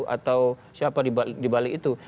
atau siapa dibalik itu